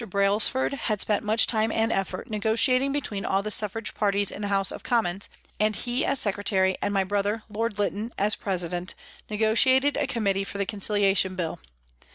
Brailsford had spent much time and effort negotiating between all the Suffrage parties in the House of Commons, and he as secre tary, and my brother, Lord Lytton, as president, negotiated a committee for the " Conciliation Bill."